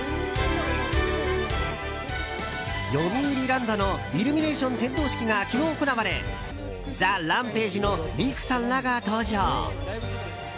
よみうりランドのイルミネーション点灯式が昨日行われＴＨＥＲＡＭＰＡＧＥのＲＩＫＵさんらが登場。